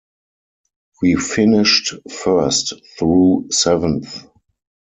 We finished first through seventh.